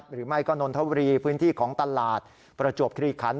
หรือไม่ก็นนทบุรีพื้นที่ของตลาดประจวบคลีคัน